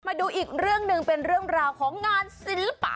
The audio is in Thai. มาดูอีกเรื่องหนึ่งเป็นเรื่องราวของงานศิลปะ